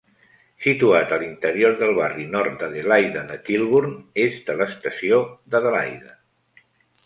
Situat a l'interior del barri nord d'Adelaida de Kilburn, és de l'estació d'Adelaide.